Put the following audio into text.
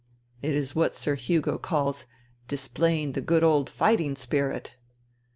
It is what Sir Hugo calls ' displaying the good old fighting spirit.'